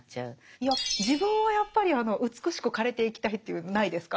いや自分はやっぱり美しく枯れていきたいっていうのないですか？